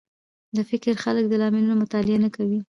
د فکر خلک د لاملونو مطالعه نه کوي